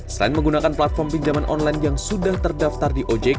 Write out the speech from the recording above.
selain menggunakan platform pinjaman online yang sudah terdaftar di ojk